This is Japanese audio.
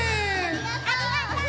ありがとう！